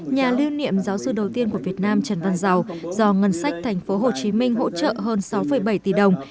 nhà lưu niệm giáo sư đầu tiên của việt nam trần văn dầu do ngân sách tp hcm hỗ trợ hơn sáu bảy tỷ đồng